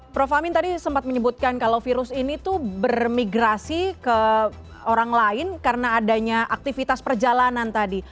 prof amin tadi sempat menyebutkan kalau virus ini tuh bermigrasi ke orang lain karena adanya aktivitas perjalanan tadi